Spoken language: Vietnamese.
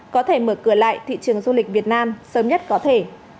có thể mở cửa lại thị trường du lịch việt nam sớm nhất có thể